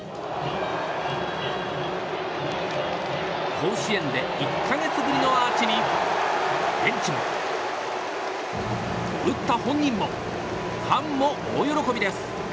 甲子園で１か月ぶりのアーチにベンチも打った本人もファンも大喜びです。